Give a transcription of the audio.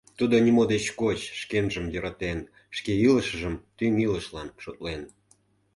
Тудо нимо деч коч шкенжым йӧратен, шке илышыжым тӱҥ илышлан шотлен.